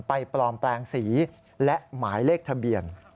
ปลอมแปลงสีและหมายเลขทะเบียน